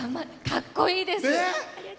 かっこいいです！